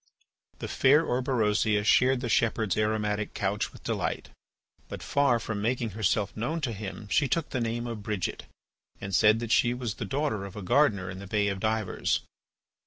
The fair Orberosia shared the shepherd's aromatic couch with delight, but far from making herself known to him, she took the name of Bridget, and said that she was the daughter of a gardener in the Bay of Divers.